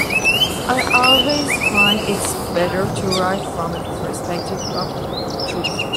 I always find it's better to write from a perspective of truth.